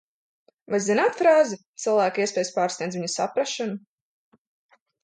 "Vai zināt frāzi "Cilvēka iespējas pārsniedz viņa saprašanu"?"